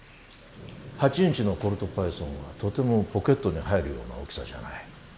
８インチのコルトパイソンはとてもポケットに入るような大きさじゃない。